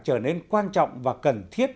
trở nên quan trọng và cần thiết